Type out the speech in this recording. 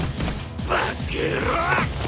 バッカ野郎！